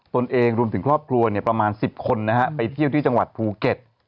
ตนเองรวมถึงครอบครัวประมาณ๑๐คนนะฮะไปเที่ยวที่จังหวัดภูเก็ต